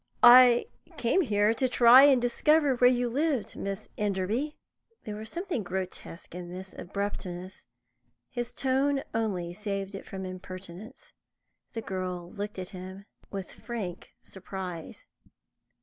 "I came here to try and discover where you lived, Miss Enderby." There was something grotesque in this abruptness; his tone only saved it from impertinence. The girl looked at him with frank surprise.